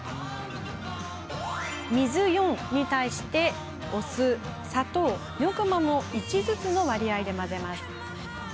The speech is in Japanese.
水４に対して酢、砂糖、ニョクマムを１ずつの割合で混ぜます。